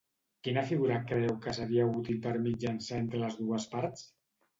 Quina figura creu que seria útil per mitjançar entre les dues parts?